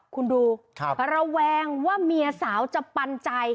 คุณดูระแวงว่าเมียสาวจะปันใจ